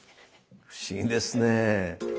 不思議ですね。